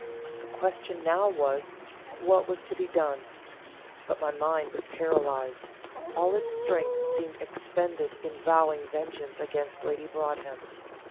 The question now was, What was to be done? But my mind was paralysed all its strength seemed expended in vowing vengeance against Lady Broadhem.